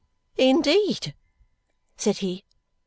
"Indeed?" said he.